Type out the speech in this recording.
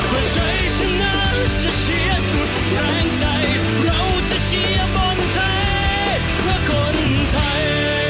มันเธอรักมันเธอ